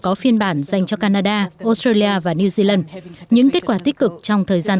có phiên bản dành cho canada australia và new zealand những kết quả tích cực trong thời gian